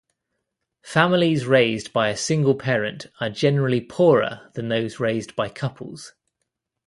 Families raised by a single parent are generally poorer than those raised by couples.